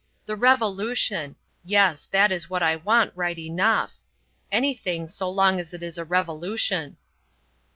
"The Revolution yes, that is what I want right enough anything, so long as it is a Revolution."